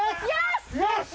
よし！